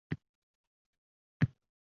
Qaysi Tixon? Menga adashib berdi, shekilli”.